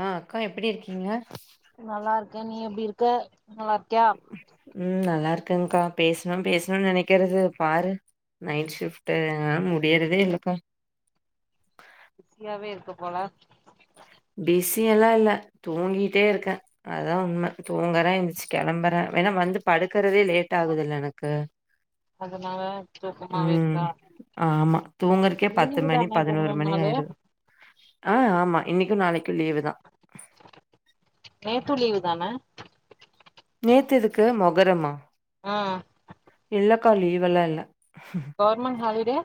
ஆ அக்கா எப்டி இருக்கீங்க நல்லா இருக்கே நீ எப்டி இருக்க நல்லா இருக்கியா ம் நல்லா இருக்கங்கா பேச்ணு பேச்ணுன் நெனைக்றது பாரு நைட் ஷிப்ட்டு என்னால முடியறதே இல்லக்கா பிஸியாவே இருக்க போல பிஸியல்லா இல்ல தூங்கிட்டே இருக்கே அதா உண்ம தூங்கற எந்துச்சு கெளம்புற வேணா வந்து படுக்குறதே லேட் டாகுதுல எனக்கு அதனால தூக்கமாவே ம் இருக்கா ஆமா தூங்றது கே பத்து லீவு மணி தானே இப்ப பதினோரு மூணு மணி நாளு ஆய்டுது ஆ ஆமா இன்னிக்கு நாளைக்கு லீவு தா நேத்து லீவு தான நேத் எதுக்கு மொகரமா ஆ இல்லக்கா லீவெல்லா இல்ல கவர்மென் ஹாலிடே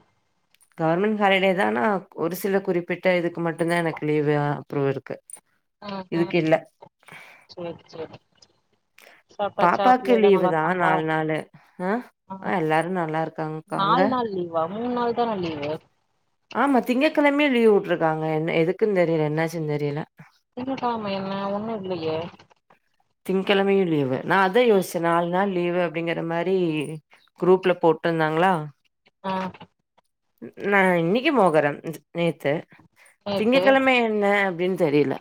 கவர்மென் ஹாலிடே தா ஆனா ஒரு சில குறிப்பிட்ட இதுக்கு மட்டு தா எனக்கு லீவு அ ஃப்ரு இருக்கு ஆ ஆ இதுக்கு இல்ல சேர் சேரி [inaudible] சாப்ட்டாச்சா பாப்பாக்கு பிள்ளைலா லீவு நல்லா தா இருக்காங்களா நால் நாளு அ ஆ அ எல்லாரு நல்லா இருக்காங்க்கா அங்க வாவ் மூண் நாளைக் தான லீவு ஆமா திங்கக்கெழமையு லீவ் வுட்டுருக்காங்க என்ன எதுக்குன் தெரில என்னாச்சு தெரில திங்ககெழம என்ன ஒன்னு இல்லயே திங்க்கெழமையு லீவு நா அதா யோச்ச நாலு நாள் லீவு அப்டிங்ற மாரி குரூப்ல போட்டுந்தாங்ளா ஆ நா இன்னிக்கு மொகரம் நேத்து திங்க நேத்து கெழம எ ன்ன அப்டின் தெரில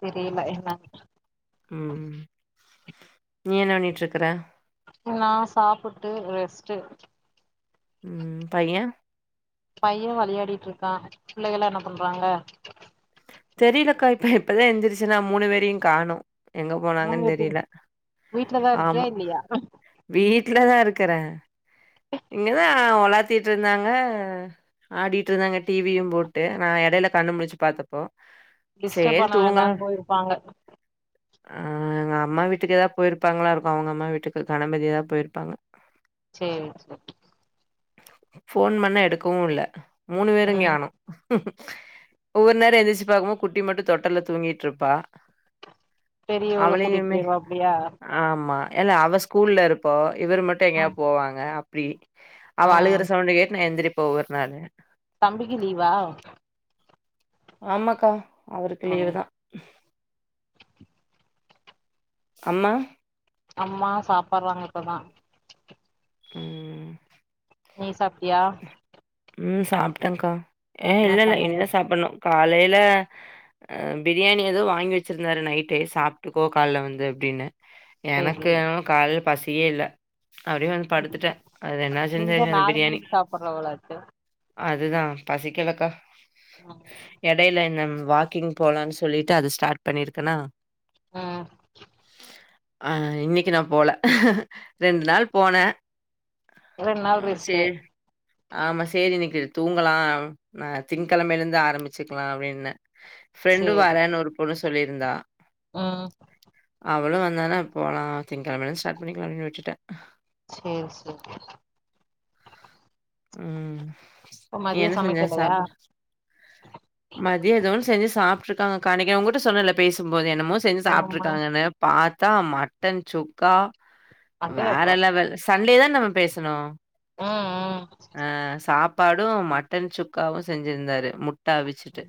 தெரில என்னான் ம் நீ என்ன பண்ணிட்க்ற நா சாப்புட்டு ரெஸ்ட்டு ம் பய்ய பய்யே வெளையாடிட்ருக்கா புள்ளைகலா என்ன பண்றாங்க தெரிலக்கா இப்ப இப்பதா எந்திரிச்ச நா மூனு பேரையு காணோ எங்க மூணு போனாங்கன் பேத்தையு தெரில வீட்லதா இருக்கியா ஆமா இல்லையா வீட்ல தா இருக்குற இங்க தா ஒலாத் திட்டு இருந்தாங்க ஆடிட்டு இருந்தாங்க டிவியு போட்டு நா எடைல கண்ணு முழிச்சு பாத்தப்போ டிஸ்டப் சேரி பண்ண தூங்கலா வேண்டான் போயிருப்பாங்க ஆ எங்க அம்மா வீட்டுக்கு ஏதாவ் போயிருப்பாங்ளா இருக்கு அவுங்க அம்மா வீட்டுக்கு கனம்பதியா போயிருப்பாங்க சேரி சேரி ஃபோன் பண்ணா எடுக்கவு இல்ல மூனு பேரு ம் ங்யானோ ஒவ்வொர் நேரோ எந்திருச்சு பாக்கமோ குட்டி மட்டு தொட்டல்ல தூங்கிட்ருப்பா பெரியவள கூட்டிட் போய்டுவாப்டியா ஆமா இல்ல அவ ஸ்கூல்ல இருப்போ இவரு மட்டு எங்கயா ம் போவாங்க அப்டி அவ அழுகுற ம் சவுண்டு கேட்டு நா எந்திரிப்பெ ஒவ்வர்னாளு தம்பிக்கு லீவா ஆமாக்கா அவருக்கு லீவு ம் தா அம்மா அம்மா சாப்பறாங்க இப்ப தா உம் நீ சாப்டியா உம் சாப்பிட்டேங்கா அஹ் என்ன இல்ல இல்ல சமையல் இன்னு சாப்பிடணு காலைல அஹ் பிரியாணி ஏதோ வாங்கி வெச்சிருந்தாரு நைட்டே சாப்பிட்டுக்கோ காலைல வந்து அப்டின்னு சேரி எனக்கு என்னமோ காலையில பசியே இல்ல அப்டியே வந்து படுத்துட்டே அது என்னாச்சுன்னு தெரியாது பிரியாணி நல்லாருக்கு அதுதா பசிக்களக்கா ஆஹ் எடையில என்ன வாக்கிங் போலான்னு சொல்லிட்டு அது ஸ்டார்ட் பண்ணிருக்கேனா உம் ஆஹ் இன்னைக்கு நா போல ரெண் நாள் போனே ரெண்டு நாள் ஆஹ் ரெஸ்ட்டு சேரி ஆமா சேரி இன்னைக்கு தூங்கலா நா திங்ககிழமைல இருந்து ஆரம்பிச்சுக்கலா அப்டின்னே ஃபிரெண்டு வறேன்னு ஒரு பொண்ணு சொல்லிருந்தா உம் அவளு வந்தானா போலா திங்ககிழமைலருந்து ஸ்டார்ட் பண்ணிக்கலான்னு விட்டுட்டே சேரி சேரி உம் இப்ப நீ மதிய என்ன செஞ்ச சமைக்கலையா சாப் மதியோ எதோ ஒன்னு செஞ்சு சாப்பிட்டுருக்காங்ககா அன்னைக்கி உங்ககிட்ட சொன்னேல பேசும்போது என்னமோ செஞ்சு ஆமா சாப்ட்டுருக்காங்கன்னு பாத்தா மட்டன் சுக்கா வேற அடேயப்பா லெவல் சண்டே தா நம்ம பேசுணோ உம் உம் அஹ் சாப்பாடு மட்டன் சுக்காவு செஞ்சிருந்தாரு முட்ட அவி ச்சுட்டு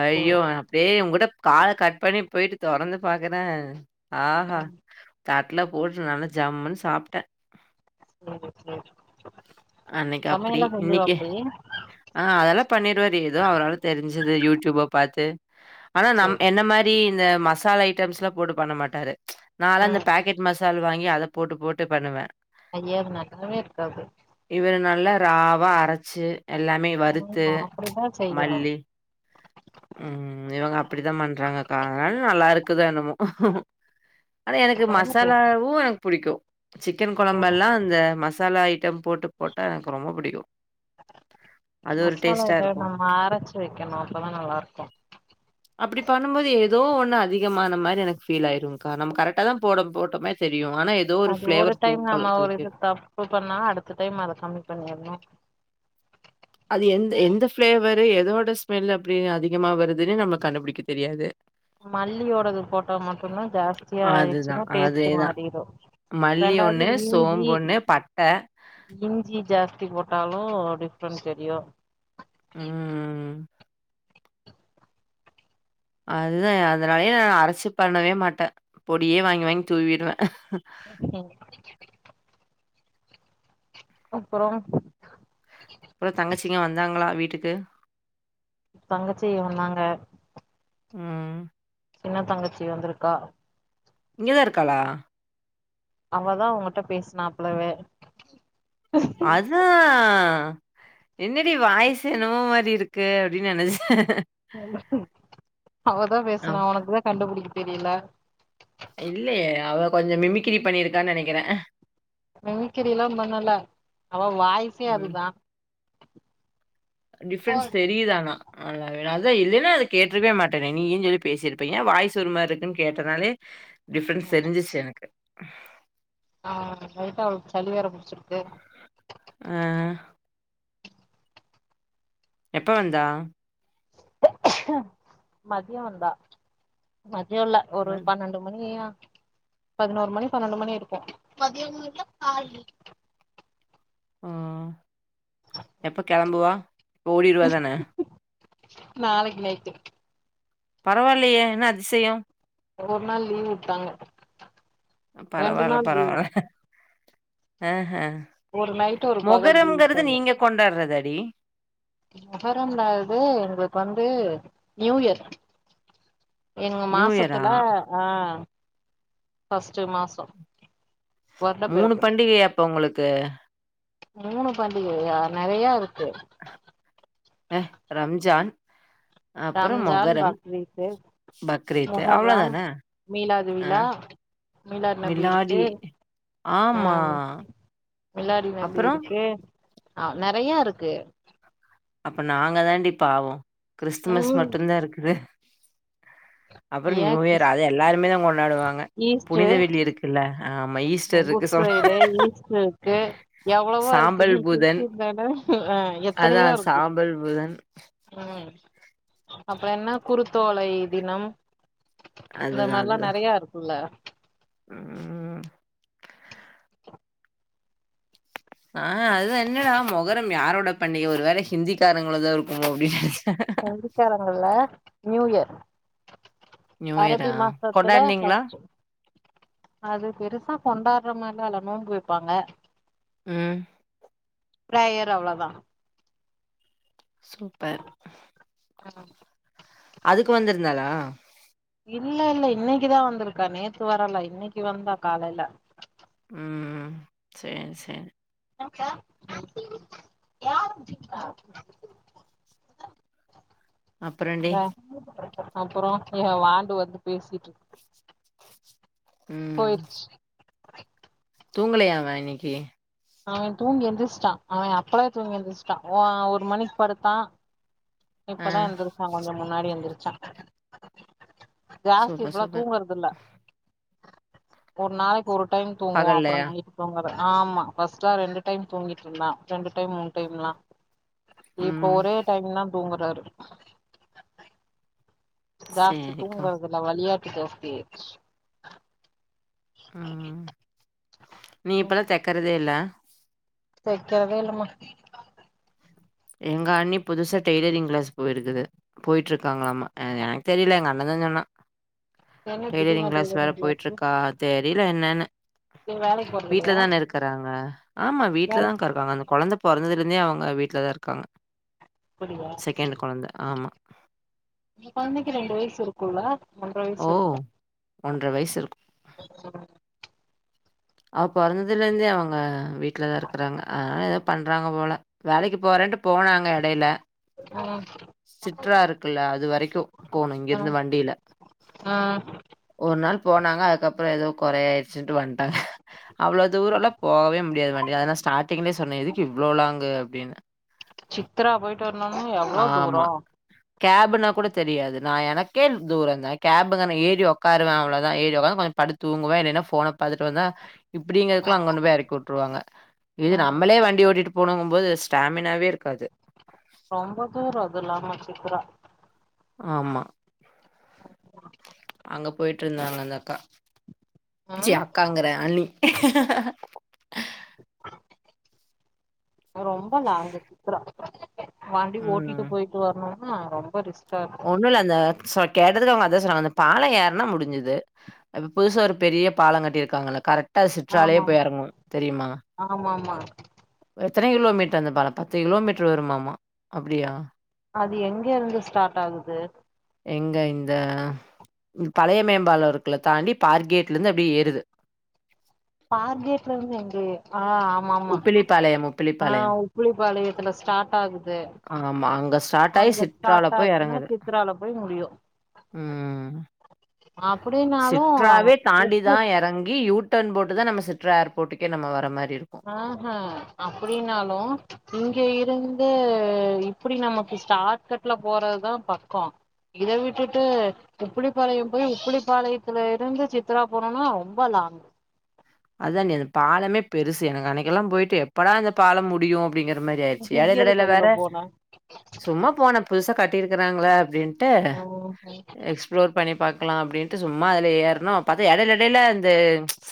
ஐயோ சேரி அப்டியே உன்கிட்ட கால கட் பண்ணி போயிட்டு தொறந்து பாக்குறே ஆஹா ம் தட்டுல போட்டு நல்லா ஜம்முன்னு சாப்ட்டே செரி செரி சமையல்லா செஞ்சுருவாப்டி ஆஹ் அதெல்லா பண்ணிடுவாரு ஏதோ அவரால தெரிஞ்சது யூடியூப்ப பாத்து ஆனா நம் சேரி என்ன மாரி இந்த மசாலா ஐட்டம்ஸ்ல்லா போட்டு பண்ண மாட்டாரு ச் நான்லா இந்த ம் பேக்கெட் மசால் வாங்கி அதை போட்டு போட்டு பண்ணுவே ஐய அது நல்லாவே இருக்காது இவரு நல்லா ராவா அரைச்சு எல்லாமே வறுத்து ஆமா ச் அப்டிதா செய்யணு மல்லி ம் இவங்க அப்டித்தா பண்றாங்கக்கா அதனால நல்லா இருக்குதோ என்னமோ ஆனா எனக்கு அதாவது பெ- மசாலாவு எனக்கு புடிக்கு சிக்கன் கொழம்பெல்லா இந்த மசாலா ஐட் டம் போட்டு போட்டா எனக்கு ரொம்ப புடிக்கு அது ஒரு டேஸ்டா இருக்கு வெக்கணோ அப்பதா நல்லா இருக்கு அப்டி பண்ணும் போது எதோ ஒன்னு அதிகமான மாதிரி எனக்கு ஃபீல் ஆயிரும்கா நம்ம கரெக்டா தா போட போட்டம்மே தெரியும் ஆனா ஏதோ ஒரு அது ஒவ்வரு ஃப்ளேவர் டைம் தூக்கல் நம்ம ஒரு இது தூக்கிரும். தப்பு பண்ணா அடுத்த டைம் அத கம்மி பண்ணிரணு அது எந்த எந்த ஃபிளேவரு எதோட ஸ்மெல் அப்டி அதிகமா வருதுன்னு நம்ம கண்டுபிடிக்க தெரியாது மல்லியோடது போட்டா மட்டு தா ஜாஸ்தியா அதுதான், ஆயிடுச்சுன்னா டேஸ்ட் அதேதான். மாறிறு மல்லி ஒன்னு சோம்பு ஒன்னு பட்ட இஞ்சி ஜாஸ்தி போட்டாலு டிஃப்ரென்ட் தெரியு உம் அதுதா அதனாலயே நா அரச்சி பண்ணவே மாட்ட பொடியே வாங்கி வாங் தூவிடுவே ம் [inaudible] அப்பறோ அப்ற தங்கச்சிங்ளா வந்தாங்ளா வீட்டுக்கு தங்கச்சி வந்தாங்க ம் சின்ன தங்கச்சி வந்துருக்கா இங்க தா இருக்காளா அவதா உங்கட்ட பேசுனா அப்ளவே அதுஆ என்னடி வாய்சு என்னமோ மாரி இருக்கு அப்டின் நெனச் அவதா பேசுனா ஒனக்கூட கண்டுபுடிக்க தெரில இல்லயே அவ கொஞ்சோ மிமிக்ரி பண்ணிருக்கா நெனக்கிறே மிமிக்ரிலா பண்ணல அவ வாய்சே ம். அதுதா டிஃப்ரன்ஸ் தெரிய்து ஆனா [unintelligible] அதா இல்லன்னா [unintelligible] அதா இல்லைனா அத கேட்ருவே மாட்டேனே நீயின் சொல்லி பேசிருப்பே ஏ வாய்ஸ் ஒருமார்ருக்குன் கேட்டனாலே டிஃப்ரண்ஸ் தெரிஞ்சிச்சு எனக்கு ஆ லைட்டா அவ்ளுக் சளி வேற புடுச்சுருக்கு ஆ எப்ப வந்தா மதிய வந்தா மத்யோல்ல ஒரு மன் பன்னெண்டு மணியியா பதினோரு மணி பன்னெண்டு மணி இருக்கு உ எப்போ கெளம்புவா ஓடிர்வா தான நாளைக் நைட்டு பரவால்லயே என்ன அதிசயோ ஒவ்வொர் நாள் லீவ் வுட்டாங்க பரவால்ல பரவால அஹ ஒரு நைட்டு ஒரு பகல் வீட் தங்க கொண்டார்றதாடி மொஹரம் லது எங்ளுக் வந்து ந்யூயர் எங்க நியூ இயரா? மாசத்துல ஆ பஸ்ட்டு மாசோ வருட மூணு பிறப்பு பண்டிகையா அப்ப உங்ளுக்கு மூணு பண்டிகையா நெறையா இருக்கு எ ரம்ஜான் அப்புறம் தம்ஜான் மொகரம், பக்ரீத்து பக்ரீத் மொஹர்ரம் அவ்ளோதானே? ஆ மீலாதுவிழா மீலாட்நபி இருக்கு மிலாடி ஆமா. ஆன் மிலாடி நபி அப்புறம், இருக்கு ஆ நெறையா இருக்கு அப்ப நாங்க தாண்டி பாவோ க்றிஸ்துமஸ் ம் மட்டுந்தா இருக்குது அப்பறு ஏ ந்யூயர் அது எல்லாருமே தா கொண்டாடுவாங்க புனித வெள்ளி இருக்குல்ல ஆம ஈ எங்குட் ஃப்ரைடே ஈஸ்ட்ருக்கு எவ்ளவோ இருக்கு சாம்பல் நீ புதன். க்றிஸ்டின் தானே ஆ எத்தனையோ அதான் இரு சாம்பல் புதன் ம் அப்ற என்ன குருத்தோலை தினம் இந்த அதுதான், மார்லா அதுதான். நெறையா இருக்குல்ல ம் ஆ அதா என்னடா மொஹரம் யாரோட பண்டிக ஒரு வேல ஹிந்திக்காரங்ளுதா இருக்குமோ அப்டின் நெ ஹந்திக்காரங்கள்ல நியூயர் நியூ இயரா? அரபி மாசத்துல கொண்டாடுனீங்களா? ஃப்ர்ஸ்ட்டு அது பெருசா கொண்டாட்ற மார்லா இல்ல நோம்பு வெப்பாங்க ம் ப்ரேயர் அவ்ளோதா சூப்பர் ஆ அதுக்கு வந்திருந்தாளா இல்ல இல்ல இன்னைக்குதா வந்திருக்கா நேத்து வரல இன்னைக்கு வந்தா காலைல ம் சேரி சேரி எனக்க யார்ா [inaudible] அப்புறடி அதா அப்புறோ ஏ வாண்டு வந்து பேசிட்டு இருக் ம் போயிருச்சு தூங்கலையா அவ இன்னைக்கு அவே தூங்கி எந்திரச்சிட்டா அவே அப்பளே தூங்கி எந்திரிச்சிட்டா ஒ ஒரு மணிக்கு படுத்தா ஆ இப்பதா எந்திரிச்சா கொஞ்ச முன்னாடி எந்திரிச்சா ஜாஸ்தி சூப்பர் இப்பல்லா சூப்பர் தூங்குறதுல்ல ஒரு நாளைக் ஒரு டைம் தூங்குவோ அப்புற பகல்லையா நைட் தூங்காது ஆமா ஃபர்ஸ்ட்லா ரெண்டு டைம் தூங்கிட்டு இருந்தா ரெண்டு டைம் மூணு டைம்லா இப்ப ம் ஒரே டைம் தா தூங்கறாரு ஜாஸ்தி சேரிக்கா தூங்கறதில்ல வெளையாட்டு ஜாஸ்தியாயிருச்சு ம் ம் நீ இப்பெல்லா தைக்கறதே இல்ல தைக்கரதே இல்லமா எங்க அண்ணி புதுசா டெய்லரிங் கிளாஸ் போயிருக்குது போயிட்டு இருக்காங்களாம்மா என எனக்கு தெரில எங்க அண்ணதா சொன்னா என்ன திடீர்னு டெய்லரிங் கிளாஸ் வேற போயிட்டு கிளாஸு இருக்கா தெரில என்னன்னு நீ வேலைக்கு போறது இல்லையா வீட்லதான இருக்கறாங்க ஆமா வேலைக்கு வீட்டுலதாகா இருக்காங்க அந்த கொழந்த பொறந்ததுலுருந்தே அவங்க வீட்லதா இருக்காங்க போறியா செகண்டு் கொழந்த ஆமா ஏ கொழந்தைக்கு ரெண்டு வயசு இருக்குல்ல ஒன்றவயசு ஓ இருக்கு ஒன்ற வய்சு இருக்கு எப்டி சொல்ற அவ பொறந்ததுலிருந்தே அவங்க வீட்டிலதா இருக்கறாங்க அதனால எதோ பண்றாங்க போல வேலைக்கு போறேன்ட்டு போனாங்க இடைல ம் சிற்றா இருக்குல்ல அது வரைக்கு போணு இங்க இருந்து வண்டில ஆ ஒரு நாள் போனாங்க அதுக்கப்புறோ எதோ குறையா ஆயிடுச்சின்டு வந்ட்டாங்க அவ்ளோ தூரல்லா போவே முடியாது வண்டில அதநா ஸ்டார்டிங்லே சொன்னே எதுக் இவ்ளோ லாங்குனு அப்டின்னு சித்தரா போயிட்டு வர்ணோனா எவ்ளோ தூரோ கேப்புன்னா கூட தெரியாது நா எனக்கே தூரந்தா கேப் தானே ஏறி உட்காருவே அவ் ளோதா ஏறி உக்காந்து கொஞ் படுத்தூங்குவே இல்லேனா போனை பாத்துட்டு வந்தா இப்டிங்கிறதுக்குள்ள அங்கொண்டு போய் இறக்கி விட்ருவாங்க இது ம் நம்ளே வண்டி ஓட்டிட்டு போனுங்கும்போது ஸ்டாமினாவே இருக்காது ரொம்ப தூரோ அதுல்லாம சுத்துற ஆமா அங்க போயிட்டு இருந்தாங்க அந்த அக்கா சீ ம் அக்காங்கறே அண்ணி ரொம்ப லாங்க் சுத்துற வண்டி ஓட்டிட்டு ம் போயிட்டு வரணும்னா ரொம்ப ரிஸ்க்கு ஒண்ணு இல்ல அந்த கேட்டதுக்கு அவங்க அதா சொல்லறாங்க அந்த பாலோ ஏறுனா முடிஞ்சுது அ இப்ப புதுசா ஒரு பெரிய பாலம் கட்டிருக்காங்கள கரெக்டா அது சிற்றாளே ஆமா போய் இறங்கும் தெரியுமா ஆமா ஆமா எத்தனை கிலோமீட்டர் அந்தப் பாலம் பத்து கிலோமீட்டர் வருமாமா அப்டியா அது எங்க இருந்து ஸ்டார்ட் ஆகுது எங்க இந்த பழைய மேம்பாலருக்கள தாண்டி பார்க்கேட்லருந்து அப்டியே ஏறுது பார்கேட்ல இருந்து எங்கயே ஆ ஆமா உப்பிலிப்பாளையம், ஆ உப்பிலிப்பாளையம். உப்புளிபாளையத்துல ஸ்டார்ட் ஆகுது ஆமா. அங்க ஸ்டார்ட் ஆயி அங்க சிற்றால ஸ்டார்ட் போய் ஆச்சுன்னா சித்ரால போய் முடியு உம் அப்டின்னாலு சிற்றாவே உப்பு தாண்டிதா இறங்கி யூட் டன் போட்டு தா நம்ம சிற்றா ஏர்போட்டுக்கே நம்ம வர மாரி இருக்கு ஆஹா அப்டினாலு இங்க இருந்து இப்டி நமக்கு ஸாடாட் கட்ல போறதுதா பக்கோ இத விட்டுட்டு உப்புளிப்பாளையம் போய் உப்புளிப்பாளையத்துல இருந்து சித்ரா போனோனா ரொம்ப லாங் அதான் நேரு பாலமே பெருசு எனக்கு அன்னைக்கெல்லாம் போயிட்டு எப்படா அந்த பாலம் முடியும் அப்டிங்கற மாரி ஆயிடுச்சு எட இங்க எடையில எதுக்கு வேற அதுல போன சும்மா போனே புதுசா கட்டிருக்குறாங்களே அப்டின்ட்டு ம் ஃப்ளோர் பண்ணி பக்காலாம் அப்டின்ட்டு சும்மா அதுல ஏறுனோ பாத்தா எடைல எடையில இந்த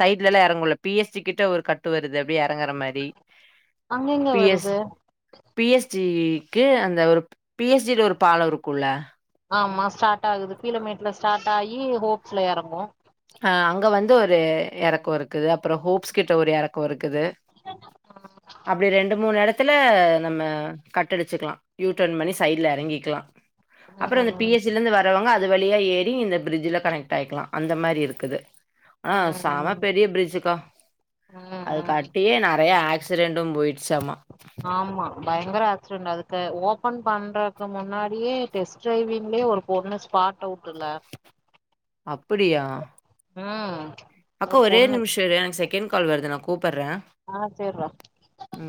சை இதுல எறங்க முடில பி எஸ் ஜி கிட்ட ஒரு கட் டு வருது அப்டி எறங்குற மாரி அங்க எங்க பி எஸ் வருது பி எஸ் ஜி க்கு அந்த ஒரு பி எஸ் ஜி ல ஒரு பாலோ இருக்கும்ல ஆமா ஸ்டார்ட் ஆகுது கீழ மேட்ல ஸ்டார்ட் ஆகி ஹோப்ஸ்ல எறங்கு ஆ அங்க வந்து ஒரு எறக்கோருக் கு அப்றோ ஹோப்ஸ் கிட்ட ஒரு எறக்கோ இருக்குது அப்டி ரெண்டு மூணு எடத் துல நம்ம கட்டடுச்சுக்கலா யூடர்ன் பண்ணி சைட்ல எறங்கிக்கலா அப்றோ ம் அந்த பி எஸ் ஜி ல இருந்து வரவங்க அது வழியா ஏறி இந்த பிரிட்ஜல கனெக்ட் ஆயிக்கலாம் அந்த மாரி இரு க்குது ம் ம் ஆனா [unintelligible] பெரிய பிரிட்ஜக்கா அத ம் க ம் ட்டியே நெறைய ஆக்சிடென்டு போய்டுச்சாம்மா ஆமா பயங்கர ஆக்சிடென்ட் அதுக்கு ஓபன் பண்றதுக்கு முன்னாடியே டெஸ்ட் ட்ரைவிங்லயே ஒரு பொண்ணு ஸ்பாட் அவுட்டுல அப்டியா உம் அக்கா ஒரே ஒரு நிமிஷம் இரே எனக்கு செகண்ட் கால் வருது நான் கூப்பட்றே ஆ சேர்ரா உம்